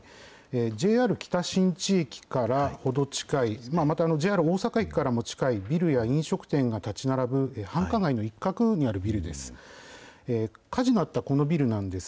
ＪＲ北新地駅から程近い、また、ＪＲ大阪駅からも近い、ビルや飲食店が建ち並ぶ繁華街の一角にあるビルです。